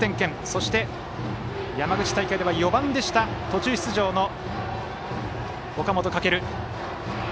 そして、山口大会では４番でした途中出場の岡本翔がバッターボックス。